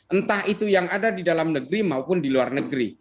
entah itu yang ada di dalam negeri maupun di luar negeri